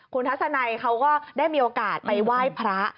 คุณทัศนัยเขาก็ได้มีโอกาสไปไหว้พระ